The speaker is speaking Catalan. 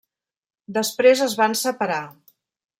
Després es van separar.